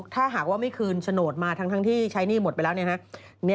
ถ้าหากว่าไม่คืนโฉดมาทั้งทั้งที่ใช้หนี้หมดไปแล้ว